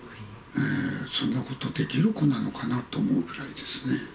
そんなことできる子なのかなと思うぐらいですね。